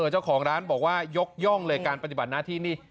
เจ้าของร้านบอกว่ายกย่องเลยการปฏิบัติหน้าที่นี่